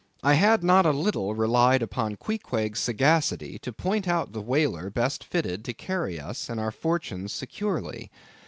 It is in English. I had not a little relied upon Queequeg's sagacity to point out the whaler best fitted to carry us and our fortunes securely.